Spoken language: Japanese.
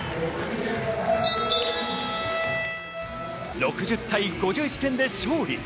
６０対５１で勝利。